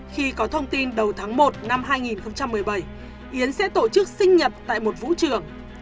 khi có thông tin đầu tháng một năm hai nghìn một mươi bảy yến sẽ tổ chức sinh nhật tại một vũ trường